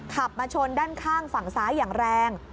ขับมาชนด้านข้างฝั่งซ้ายอย่างแรง